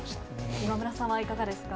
今村さんはいかがですか。